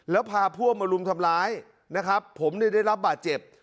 แล้วพาผู้อบมารุมทำร้ายนะครับผมได้ได้รับบาดเจ็บ